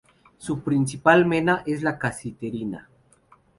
Su principal mena es la casiterita.